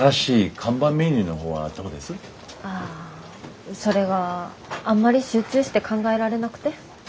ああそれがあんまり集中して考えられなくて。